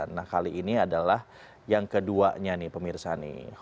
nah kali ini adalah yang keduanya nih pemirsa nih